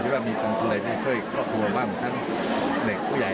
ช่วยสำคัญช่วยแรกผู้ใหญ่ถ่ามกับภาพที่อยู่แล้ว